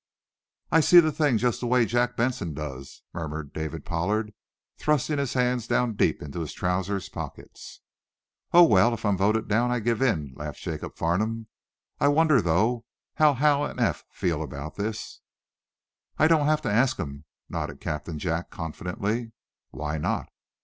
"I see the thing just the way Jack Benson does," murmured David Pollard, thrusting his hands down deep in his trousers pockets. "Oh, well, if I'm voted down, I'll give in," laughed Jacob Farnum. "I wonder, though, how Hal and Eph feel about this?" "I don't have to ask them," nodded Captain Jack, confidently. "Why not?"